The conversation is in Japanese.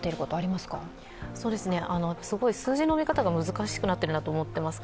数字の見方が難しくなってるなと思っています。